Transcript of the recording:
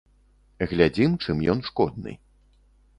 Глядзім, чым ён шкодны.